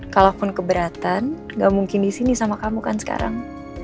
kalaupun keberatan gak mungkin disini sama kamu kan sekarang